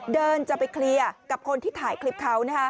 เดินจะไปเคลียร์กับคนที่ถ่ายคลิปเขา